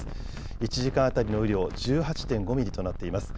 １時間当たりの雨量１８．５ミリとなっています。